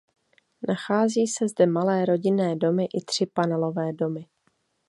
Nachází se zde malé rodinné domy i tři panelové domy.